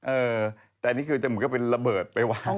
เออแต่อันนี้มึงก็เป็นระเบิดไปวาง